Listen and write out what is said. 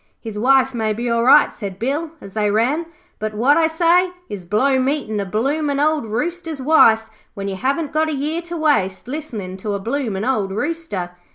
'His wife may be all right,' said Bill as they ran, 'but what I say is, blow meetin' a bloomin' old Rooster's wife when you haven't got a year to waste listenin' to a bloomin' old Rooster.'